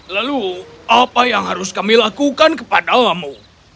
lalu apa yang harus kami lakukan kepadamu